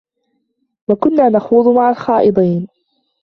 وكنا نخوض مع الخائضين